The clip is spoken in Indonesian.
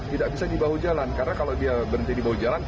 tidak bisa di bahu jalan karena kalau dia berhenti di bahu jalan